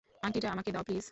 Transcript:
আংটিটা আমাকে দাও, প্লিজ?